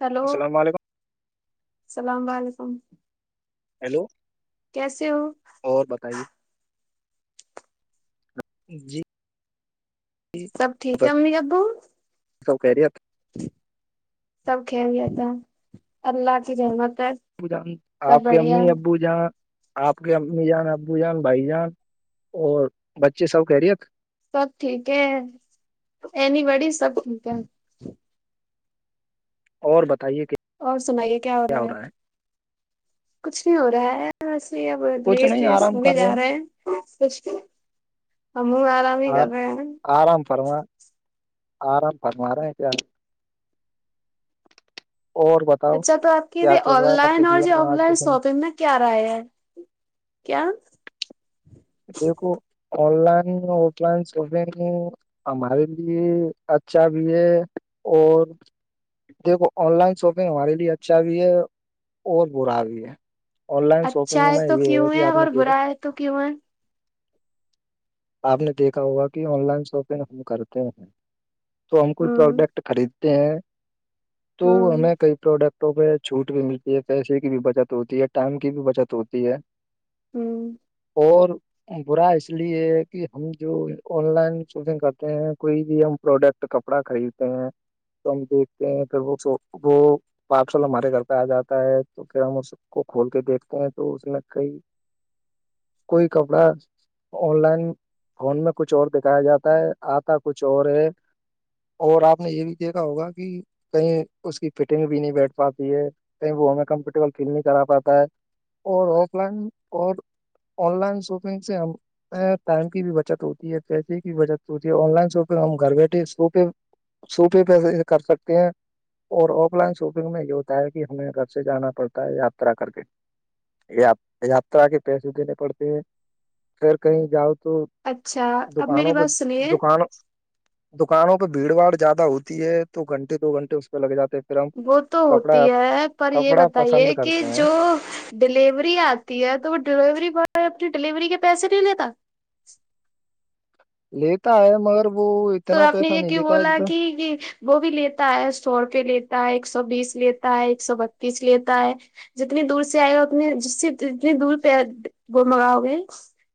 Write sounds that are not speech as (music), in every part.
hello السلام علیکم اللام و علیکم ہیلو کیسے ہو اور بتائیے جی سب ٹھیک ہے امی ابو سب کرہی آپ سب ک گیا تھا اللہ کی جحمت ہے ا ج آپ سب کے بڑھیا امی ابو جہاں آپ کے امی جان ابو جان بھائی جان اور بچے سب کہہرییے سب ٹھیک ہے اینی وڑی سب ٹھیک ہے اور بتائیے کہ اور سنائیے کیا ہو رہا ہے کچھ نہیں ہو رہا ہے وسے اب کچھ لیٹ نہیں لیس آرام ہونے کر جا رہے ہیں کچھ ہ مو آرام ہی ہیں کر آر- رہ آرام فرم آرام فرمرے اور ب اچھا تو آپ کی یہ آن لائن اور یہ آف آج کے لائن سمے شاپنگ ہے کیا راائے ہے کیا دیکھو online offline shopping ہمارے لیے اچھا بھی ہے اور دیکھو آن لائن شاپنگ ہمارے لیے اچھا بھی ہے اور برا بھی ہے آن لائن اچھا شاپنگ میں تو یہ ہے کیوں کہ آپ نے اور کیا تھا برا ہے تو کین آپ نے دیکھا ہوگا کہ آن لائن شاپنگ ہم کرتے ہیں تو ہم کوئی ہ پروڈکٹ خرید ہیں تو ہ ہمیں کئی پروڈکٹ ٹ پہ چھوٹ بھی ملتی ہے پیسے کی بھی بچت ہوتی ہے ٹائم کی بھی بچت ہوتی ہے ہوں اور برا اس لیے کہ ہم جو آن لائن شاپنگ کرتے ہیں کوئی بھی ہم پروڈکٹ کپڑا خریدتے ہیں تو ہم دیکھتے ہیں پھر وہ وہ پار سال ہمارے گھر پہ آ جاتا ہے تو پھر ہم اس کو کھول کے دیکھتے ہیں تو اس میں کئی کوئی کپڑا آن لائن فون میں کچھ اور دکھایا جاتا ہے آتا کچھ اور ہے اور آپ نے یہ بھی دیکھا ہوگا کہ کہیں اس کی فٹنگ بھی نہیں بیٹھ پاتی ہے کہیں وہ ہمیں کمفرٹیبل فیل نہیں کرا پاتا ہے اور آف لائن اور آن لائن شاپنگ سے ہم ٹائم کی بھی بچت ہوتی ہے پیسے کی بھی بچت ہوتی ہے آن لائن شاپنگ ہم گھر بیٹھے شو پہ سوپہ پیسے کر سکتے ہیں اور آف لائن شاپنگ میں یہ ہوتا ہے کہ ہمیں گھر سے جانا پڑتا ہے یاترا کر کے یاترا کے پیسے دینے پڑتے ہیں پھر کہیں جاؤ تو اچھا اب میری دکانوں کو بات سنیے دکان دکانوں پہ بھیڑ باڑ زیادہ ہوتی ہے تو گھنٹے دو گھنٹے لگ جے پھر ہم وہ تو کپڑا ہوتی ہے پر یہ کپڑا پسند بتائیے کہ کرتے ہیں جو ڈیلیوری آتی ہے تو وہ ڈیلیوری بوائے اپنی ڈلیوری کے پیسے نہیں لیتا لیتا ہے مگر وہ تو اتنا آپنی پیسہ نہیں یہک لیتا ہے بولا جتنا کہ وہ بھی لیتا ہے سو روپئے لیتا ہے ایک سو بیس لیتا ہے ایک سو بتیس لیتا ہے جتنی دور سے آئے گا اتنی ج جتنی دور پہ گول مگاؤ گے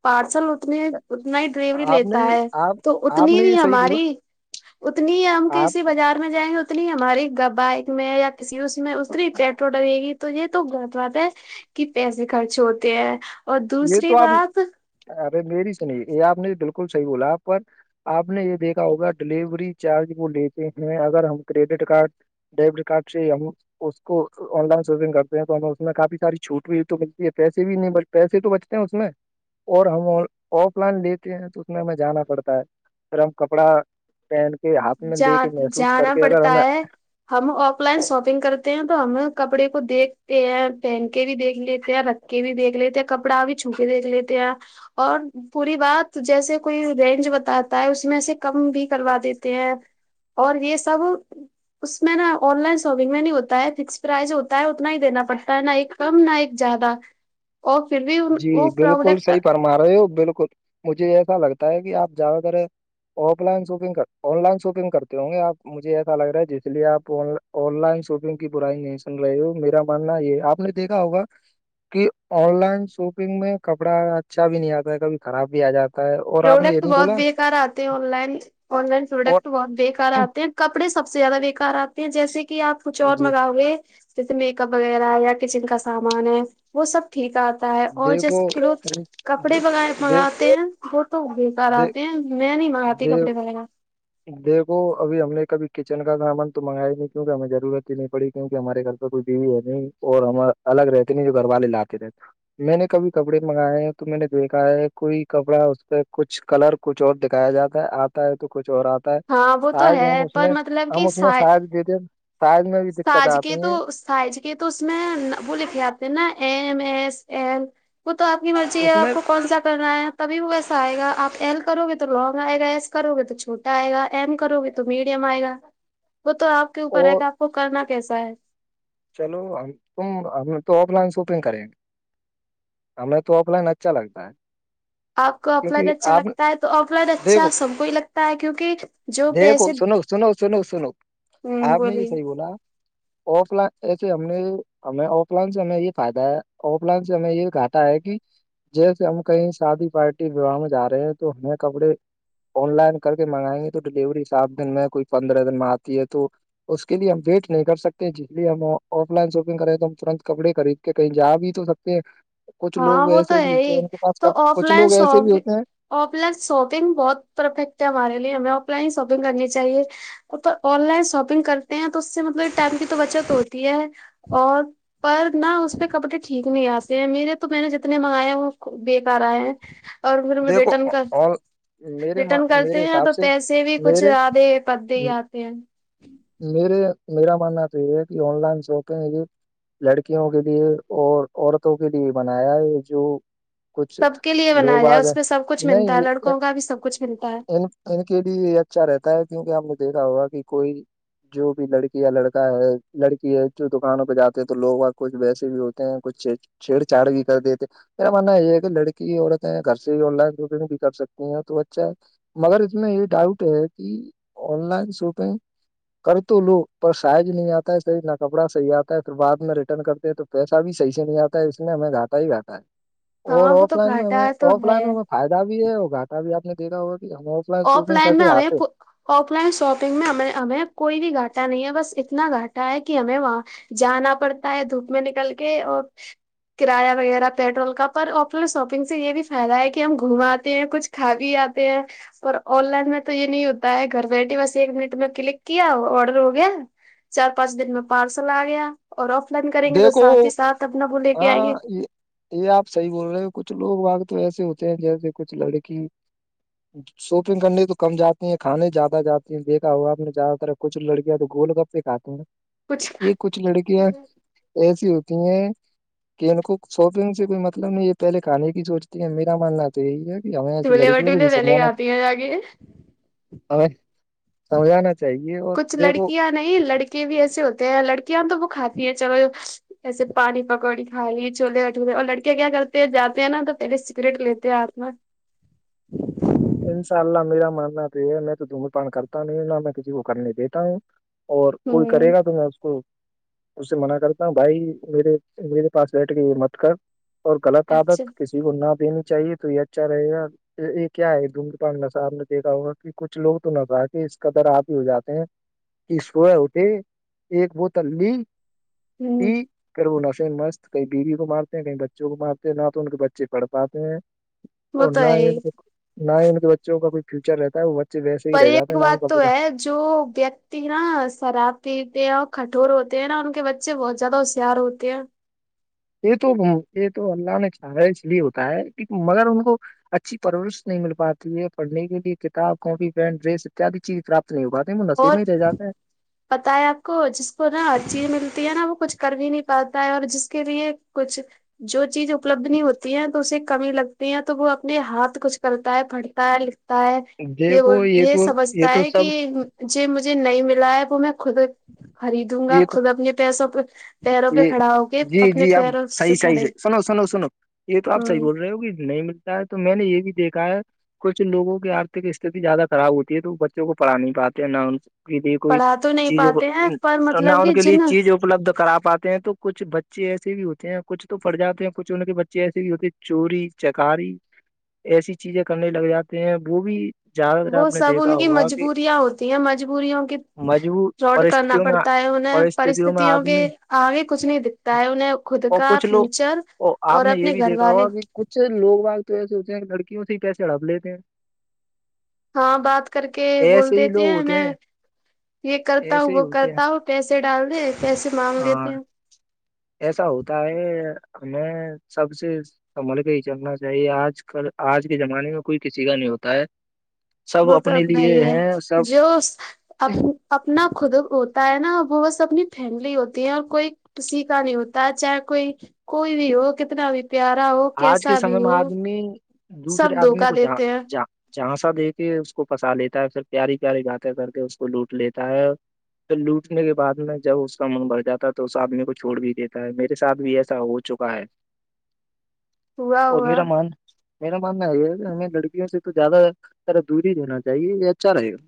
پارسل اتنے اتنا ہی ڈیلیوری آپ نے لیتا ہے آپ تو آپ اتنی نے بھی یہ صحیح بولا ہماری اتنی ہم آپ کسی بجار میں جائیں گے اتنی ہماری بائک میں یا کسی اس میں اتنی پیٹرول رہے گی تو یہ تو غط بات ہے کہ پیسے خرچ ہوتے ہیں اور یہ دوسری تو آپ بات ارے میری سے نہیں یہ آپ نے بالکل صحیح بولا پر آپ نے یہ دیکھا ہوگا ڈیلیوری چارج وہ لیتے ہیں اگر ہم کریڈٹ کارڈ ڈبری کاٹی اس کو آن لائن شاپنگ کرتے ہیں تو ہمیں اس میں کافی ساری چھوٹ بھی تو ملتی ہے پیسے بھی نہیں بلکہ پیسے تو بچتے ہیں اس میں اور ہم آف لائن لیتے ہیں تو اس میں ہمیں جانا پڑتا ہے پھر ہم کپڑا پہن کے ہاتھ میں جا لے کے محسوس کر جانا کے اگر پڑتا ہمیں ہے ہم آف لائن شاپنگ کرتے ہیں تو ہم کپڑے کو دیکھتے ہیں پہن کے بھی دیکھ لیتے ہیں رکھ سک کے بھی دھ لیتے ہیں کپڑا بھی چھو کے دیک لیتے ہیں اور پوری بات جیسے کوئی رینج بتاتا ہے اس میں سے کم بھی کروا دیتا ہیں اور یہ سب اس میں نا آن لائن شاپنگ میں نہیں ہوتا ہے فکس پرائز ہوتا ہے اتنا ہی دینا پڑتا ہے نا ایک کم نہ ایک زیادہ (unintelligible) آف فر جی بالکل صحیح فرما رہے ہو بالکل مجھے ایسا لگتا ہے کہ آپ زیادہ تر offline shopping online shopping کرتے ہوںے آپ مجھے ایسا لگ رہا ہے جس لیے آپ لن آن لائن شاپنگ کی برائی نہیں سن رہے ہو میرا ماننا یہ آپ نے دیکھا ہوگا کہ آن لائن شاپنگ میں کپڑا اچھا بھی نہیں آتا ہے کبھی خراب بھی آ جاتا ہے اور آپ نے یہ پروڈکٹ نہیں بہت بولا بےیکار آتے ہیں آن لائن آن لائن اور پروڈکٹ تو بہت بےیکار آتے ہیں کپڑے سب سے زیادہ بےکار آتے ہیں جیسے کہ آ کچھ اور جی منگا ہوئے جیسے میک اپ وغیرہ یا کچن کا سامان ہے وہ سب ٹھیک آتا اور جیسے دیکھو کلوت کپڑے دیکھ دیکھ منگاتے ہیں وہ تو بےیکار آتے ہیں میں نہیں منگاتی دے کپڑے وغیرہ دیکھو ابھی ہم نے کبھی کچن کا سامان تو منگا ہی نہیں کیونکہ ہمیں ضرورت ہی نہیں پڑی کیوںک ہمارے گھر کوئی بیوی ہے نہیں اور ہم الگ رہتے نہیں جو گھر والے لاتے رہتے میں نے کبھی کپڑے منگائے ہیں تو میں نے دیکھا ہے کوئی کپڑا اس پہ کچھ کلر کچھ اور دکھایا جاتا ہے آتا ہے تو کچھ اور آتا ہاں وہ تو سائز ہم ہے اس پر میں مطلب کہ ہم اس میں سائ سائز دیتے سائز میں بھی دقت آتی ہیں سائز کے تو اس میں وہ لکھے آتے نا ایم ایس ایم وہ تو آپ کی مرضی ہے اس میں آپ کون سا کرنا ہے تبھی وہ ویسا آئے گا آپ ایل کرو گے تو لونگ آئے گا ایس کرو گے تو چھوٹا آئے گا ایم کرو گے تو میڈیم آئے گا وہ تو آپ کے اوپر ہے اور کہ آپ کو کرنا کیسا ہے چلو ہم تم ہم تو آف لائن شاپنگ کریں گے ہمیں تو آف لائن اچھا لگتا ہے آپ کو اپائن کیونکہ اچھا آپ لگتا ہے تو آف لائن اچھا دیکھو سب کو ہی لگتا ہے کیونکہ جو پیسے دیکھو سنو سنو سنو سنو آپ نے یہ بولیے صحیح بولا آف لائن ایسے ہم نے ہمیں آف لائن سے ہمیں یہ فائدہ ہے آف لائن سے ہمیں یہ گھاٹا ہے کہ جیسے ہم کہیں شادی پارٹی وواہ میں جا رہے ہیں تو ہمیں کپڑے آن لائن کر کے منگائیں گے تو ڈیلیوری سات دن میں کوئی پندرہ دن میں آتی ہے تو اس کے لیے ہم ویٹ نہیں کر سکتے جی ج ہم آف لائن شاپنگ کریں تو ہم ترنت کپڑے خرید کے کہیں جا بھی تو سکتے ہیں کچھ ہاں لوگ وہ تو ایسے بھی ہے ہوتے ہیں ہی ان کے تو پاسب آف کچھ لائن لوگ ایسے بھی شاپ ہوتے ہیں آف لائن شاپنگ بہت پرفیکٹ ہے ہمارے لیے ہمیں آف لائن ہی شاپنگ کرنی چاہیے ا تو آن لائن شاپنگ کرتے ہیں تو اس سے مطلب ٹائم کی تو بچت ہوتی ہے اور پر نہ اس پہ کپڑے ٹھیک نہیں آتے ہیں میرے تو میں نے جتنے منگایا ہیں وہ بے کرارا ہیں اور دیکھو ریٹرن کا اور میرے ریٹرن ما- کرتے میرے ہیں حساب تو سے پیسے بھی کچھ میرے زیادے پت دے ہی آتے ہیں میرے میرا ماننا تو یہ ہے کہ آن لائن شک لڑکیوں کے لیے اور عورتوں کے لیے بنایا ہے جو کچھ سب کے لیے لوگ بنایا آ گئے اس میں سب کچھ ملتا نہیں ہے یہ- لڑکوں کا بھی سب کچھ ملتا ہے ان ان کے لیے یہ اچھا رہتا ہے کیونکہ ہم نے دیکھا ہوگا کہ کوئی جو بھی لڑکی یا لڑکا ہے لڑکی ہے جو دکانوں پہ جاتے ہیں تو لوگ کچھ ویسے بھی ہوتے ہیں کچھ چ چھیڑ چاڑ بھی کر دی تھے میرا ماننا یہ ہے کہ لڑکی اورورت گھر سے ہی آن لائن شاپنگ بھی کر سکتی ہیں تو اچھا ہے مگر اس میں یہ ڈاؤٹ ہے کہ آن لائن شاپنگ کر تو لو پر سائز نہیں آتا ہے صحیح نہ کپڑا صحیح آتا ہے پھر بع میں ریٹرن کرتے ہیں تو پیسہ بھی صحیح سے نہیں آتا ہے اس لیے ہمیں گھاتا ہی گاتا ہے ہاں اور وہ آف تو لائن میں گھاٹا ہمیں ہے تو آف لائن ہے ہمیں فائدہ بھی ہے اور گاٹا بھی آ نے دیکھا ہوگا ہم آف شاپنگ کر لائن میں کے ہمیں آتے آف لائن شاپنگ میں ہمیں ہمیں کوئی بھی گھاٹا نہیں ہے بس اتنا گھٹا ہے کہ ہمیں وہاں جانا پڑتا ہے دھوپ میں نکل کے اور کرایہ وغیرہ پیٹرول کا پر آف لائن شاپنگ سے یہ بھی فائدہ ہے کہ ہم گھوماتے ہیں کچھ کھا بھی آتے ہیں پر آن لائن میں تو یہ نہیں ہوتا ہے گھر بیٹھیے بس ایک منٹ میں کلک کیا آڈر ہو گیا چار پانچ دن میں پارسل آ گیا اور آف لائن کریں گے تو دیکھو ساتھ ہی ساتھ اپنا وہ لے کے آئیں گے ہاں یہ یہ آپ صحیح بول رہے ہو کچھ لوگ واگ تو ایسے ہوتے ہیں جیسے کچھ لڑکی (inaudible) (inaudible) شاپنگ کرنے تو کم جاتی ہیں کھانے زیادہ جاتی ہیں دیکھا ہوا آپ نے زیادہ تر کچھ لڑکیاں تو گول گپے کاتے ہیں (unintelligible) یہ (unintelligible) کچھ لڑکیاں ایسی ہوتی ہیں کہ ان کو شاپنگ سے کوئی مطلب نہیں ہے یہ پہلے کھے کی سوچتی ہے میرا ماننا تھا تو یہی ہے کہ ہمیں چولہے لڑکیوں کو بٹولے بھی پہلے سمجھوانا چاہیے کھاتی ہیں جا کے ہ سمجا ن (unintelligible) کچھ لڑکیاں نہیں لڑکے بھی ایسے ہوتے ہیں لڑکیاں تو وہ کھاتفی ہیں چلو ایسے پانی پکوڑی کھائی چولہے اٹورے اور لڑکیاں کیا کرتے جاتے ہیں نا تو تیرے سگریٹ لیتے ہیں آاتما ان شاء اللہ میرا مننا پ ہے میں تو دونگ پان کرتا نہیں نہ میں کسی کو کرنے دیتا ہوں اور کوئی کرے ہوں گا تم اس کو اس سے منع کرتا ہوں بھائی میرے میرے پاس بیٹھ کے یہ مت کر اور غلط اچھا عادت کسی کو نہ دینی چاہیے تو یہ اچھا رہے گا ایک کیا ہے دھڈ پان ن سا آب نے دیکھا ہوگا کہ کچھ لوگ تو نہظا کہ اس ق در آپ ہی ہو جاتے ہیں کہ سب اٹے ایک بوتل لی ہوں پھر وہ نشے میں مست کئی بیوی کو مارتے ہیں کہیں بچوں کو مارتے ہیں نہ تو ان کے بچے پڑھ پاتے ہیں وہ اور تو نہ ہے ہی نہ ہی بچوں کا کوئی فیوچر رہتا ہے وہ بچے ویسے ہی پر رہ جاتے ایک نا ان بات کبھی تو کا ہے جو ویکتی نا شراب پیتے ہیں اور کٹھور ہوتے ہیں نا ان کے بچے اچھے بہت زیادہ ہوشیار ہوتے ہیں یہ تو یہ تو اللہ نے چاہا اس لیے ہوتا ہے مگر ان کو اچھی پرورش نہیں مل پاتی ہے پڑھنے کے لیے کتاب کاپی پینٹ ڈریس اتیاد چیز پراپت نہیں ہو پاتی نہیں م نسی اور میں ہی رہ جاتے ہیں پتا ہے آپ کو جس کو نا ہر چیز ملتی ہے نا وہ کچھ کر بھی نہیں پاتا ہے اور جس کے لیے کچھ جو چیز اپلبد نہیں ہوتی ہے تو اسے کمی لگتی ہیں تو وہ اپنے ہاتھ کچھ کرتا ہے پھڑتا ہے لکھ یہ دیکھو یہ تو یہ سمجھتا تو ہے سب کہ ج مجھے نہیں ملا ہے وہ میں خود خریدوں گا یہ خود اپنے پیسوں پ پیروں پہ یہ کھڑا ہو کے جی اپنے جی آپ پیروں سے صحیح صحیح کھڑے صحیح سنو سنو سنو یہ تو آپ ہ صحیح بول رہے ہوگی نہیں ملتا ہے تو میں نے یہ بھی دیکھا ہے کچھ لوگوں کی آرھک استھتی زیادہ خراب ہوتی ہے تو وہ بچوں کو پڑھا نہیں پاتے ہیں نہ کے لیے کوئی پڑھا تو نہیں چیزوں کو پاتے ہیں پر نہ مطلب ان کہ کے لیے جن چیز اپلبد کرا پاتے ہیں تو کچھ بچے ایسے بھی ہوتے ہیں کچھ تو پڑ جاتے ہیں کچھ ان کے بچے ایسے بھی ہوتے ہیں چوری چکاری ایسی چیزیں کرنے لگ جاتے ہیں وہ بھی زیادہ تر وہ آپ نے سب دیکھا ان کی ہوگا کہ مجبوریاں ہوتی ہیں مجبوریوں کی مجبور روڈ کرنا پرستتوں میں پڑتا ہے میں پرستتوں کے آدمی آگے کچھ نہیں دکھتا ہے انہیں خود اور کا کچھ لوگ فیوچر اور آپ اور نے یہ اپنے بھی گھر دیکھا والے ہوا کہ کچھ لوگ باگ تو ایسے ہوتے ہیں لڑکیوں سے ہی پیسے ہڑپ لیتے ہیں ہاں بات کر کے ایسے بول ہی دیتے لوگ ہیں ہوتے میں یہ کرتا ہوں ایسے ہی وہ ہوتے ہیں کرتا ہوں پیسے ڈال دے پیسے مانگ لیتے ہاں ہیں ایسا ہوتا ہے ہمیں سب سے سمل کے ہی چلنا چاہیے آج کل آج کے زمانے میں کوئی کسی کا نہیں ہوتا ہے سب بہت اب اپنے لیے بائی ہے ہیں سب جو اپنا خود ہوتا ہے نا وہ بس اپنی فیملی ہوتی ہے اور کوئی کسی کا نہیں ہوتا چاہے کوئی کوئی بھی ہو کتنا بھی پیارا ہو آج کے کیسا سمے بھی میں ہو آدمی سب دوسرے آدمی دھوکا کو جان دیتے ہیں جا جھانسا دے کے اس کو پھسا لیتا ہے پھر پیاری پیاری باتیں کر کے اس کو لوٹ لیتا ہے تو لوٹنے کے بعد میں جب اس کا من بھر جاتا ہے تو اس آدمی کو چھوڑ بھی دیتا ہے میرے ساتھ بھی ایسا ہو چکا ہے ہوا اور ہوا میرا من میرا ماننا ہے یہ کہ ہمیں لڑکیوں سے تو زیادہ طرح دوری دینا چاہیے یہ اچھا رہے گا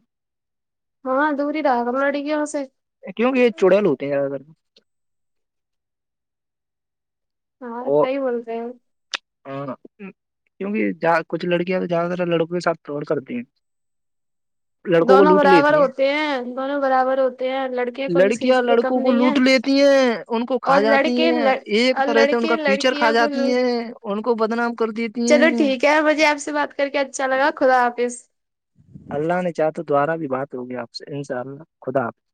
ہاں دوری را گملہڑ کی ہ سےے کیونک یہ چوڑیل ہوتے ہیں زیادہ تر ہاں اور صحیح بول رہے ہیں ہاں کیونکہ کچھ لڑکیاں تو زیادہ تر لڑکوں کے ساتھ پر کرتی ہیں (inaudible) لڑکوں کو دونوں لوٹ برابر لیتی ہیں ہوتے دونوں برابر ہوتے ہیں لڑکے کو بھی کسی لڑکیاں سے کم لڑکوں کو نہیں ہے لوٹ لیتی ہیں ان کو کھا اور جاتی لڑکے ہیں ایک اور طرح سے ان لڑکے کا فیوچر کھا لڑکیوں کو جاتی ہیں ان کو بدنام کر دی چلو ٹھیک ہے مجھے آپ سے بات کر کے اچھا لگا خدا حافظ اللہ نے چاہا تو دوبارہ بھی بات ہوگی آپ سے ان شاء اللہ خدا حافظ